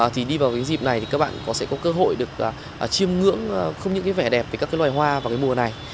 thì đi vào cái dịp này thì các bạn có sẽ có cơ hội được chiêm ngưỡng không những cái vẻ đẹp về các cái loài hoa vào cái mùa này